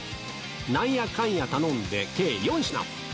なんやかんや頼んで計４品。